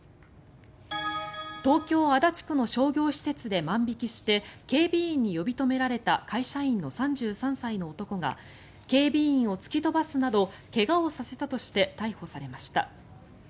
東京・足立区の商業施設で万引きして警備員に呼び止められた会社員の３３歳の男が警備員を突き飛ばすなど怪我をさせたとして逮捕されました。